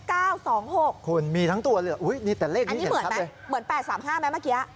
ขอบคุณมีทั้งตัวแต่เลขนี้เห็นครับอันนี้เหมือน๘๓๕ไหมเมื่อกี้